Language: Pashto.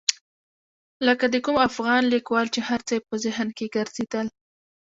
لکه د کوم افغان لیکوال چې هر څه یې په ذهن کې ګرځېدل.